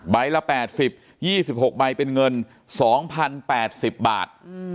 ละ๘๐๒๖ใบเป็นเงิน๒๐๘๐บาท